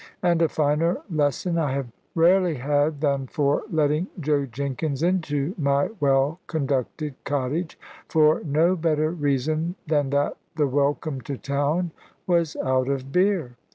And a finer lesson I have rarely had than for letting Joe Jenkins into my well conducted cottage, for no better reason than that the "Welcome to Town" was out of beer.